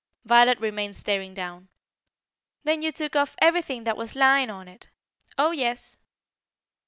Violet remained staring down. "Then you took off everything that was lying on it?" "Oh, yes."